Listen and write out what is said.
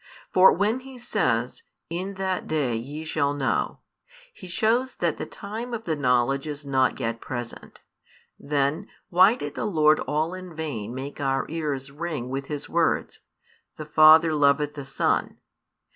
For when He says In that day ye shall know, He shows that the time of the knowledge is not yet present; then, why did the Lord all in vain make our ears ring with His words: The Father loveth the Son?